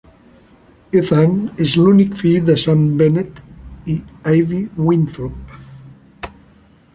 Ethan és l'únic fill de Sam Bennett i Ivy Winthrop.